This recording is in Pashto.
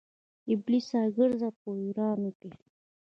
ابلیسه ګرځه په ویرانو کې